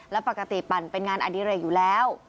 และปกติปั่นเป็นงานอดิเรกอยู่แล้ว